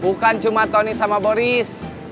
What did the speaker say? bukan cuma tony sama boris